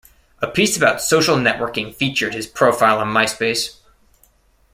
A piece about social networking featured his profile on MySpace.